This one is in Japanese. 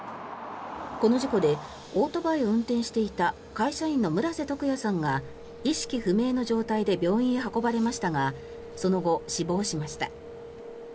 この事故でオートバイを運転していた会社員の村瀬徳哉さんが意識不明の状態で病院へ運ばれましたがその後、死亡しました。